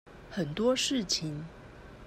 很多事情